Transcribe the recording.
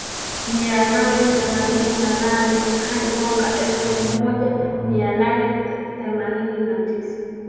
mia nane themanini na nane hadi mwaka elfu moja mia nane themanini na tisa